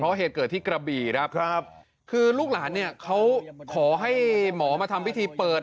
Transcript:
เพราะเหตุเกิดที่กระบี่ครับครับคือลูกหลานเนี่ยเขาขอให้หมอมาทำพิธีเปิด